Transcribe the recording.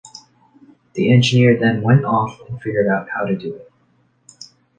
The engineer then went off and figured out how to do it.